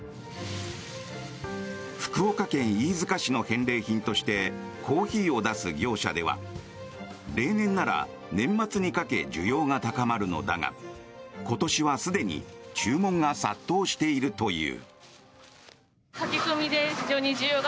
福岡県飯塚市の返礼品としてコーヒーを出す業者では例年なら年末にかけ需要が高まるのだが今年はすでに注文が殺到しているという。